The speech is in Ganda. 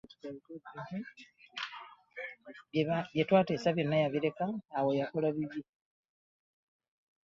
Bye twateesa byonna yabireka awo yakola bibye.